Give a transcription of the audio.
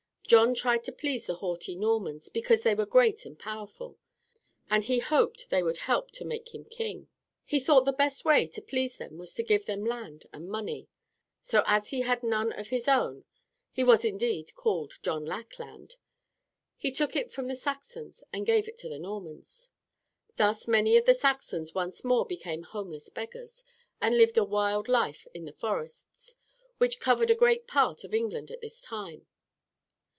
John tried to please the haughty Normans because they were great and powerful, and he hoped they would help to make him king. He thought the best way to please them was to give them land and money. So as he had none of his own (he was indeed called John Lackland) he took it from the Saxons and gave it to the Normans. Thus many of the Saxons once more became homeless beggars, and lived a wild life in the forests, which covered a great part of England at this time.